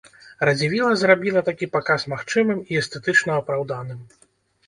Радзівіла зрабіла такі паказ магчымым і эстэтычна апраўданым.